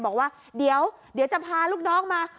บอกว่าเดี๋ยวจะพาลูกน้องมา